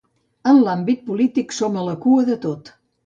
En l’àmbit polític, som a la cua de tot.